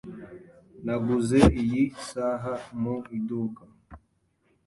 Naguze iyi saha mu iduka.